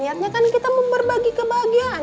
ayatnya kan kita mau berbagi kebahagiaan